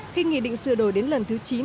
khi nghị định sửa đổi đến lần thứ chín